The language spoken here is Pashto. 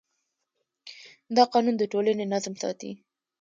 دا قانون د ټولنې نظم ساتي.